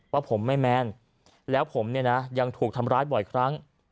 ว่าผมไม่แมนแล้วผมเนี่ยนะยังถูกทำร้ายบ่อยครั้ง